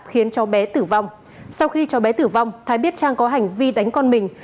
khiến cháu bé tử vong sau khi cháu bé tử vong thái biết trang có hành vi đánh con mình